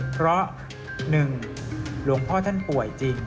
เพราะ๑หลวงพ่อท่านป่วยจริง